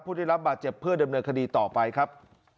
ผู้ได้รับบาดเจ็บเพื่อดำเนินคดีต่อไปครับ